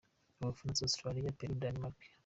U Bufaransa, Australia, Peru, Denmark